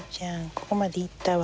ここまでいったわ。